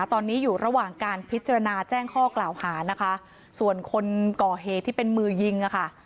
ตอนนี้อยู่ระหว่างการพิจารณาแจ้งข้อกล่าวหานะคะส่วนคนก่อเหตุที่เป็นมือยิงอ่ะค่ะ